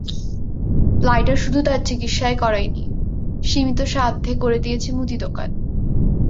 Lighter শুধু তাঁর চিকিৎসাই করায়নি, সীমিত সাধ্যে করে দিয়েছে মুদি দোকান।